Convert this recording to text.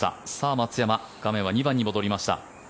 松山、画面は２番に戻りました。